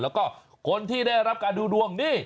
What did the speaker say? แล้วก็คนที่ได้รับการดูดวงนี่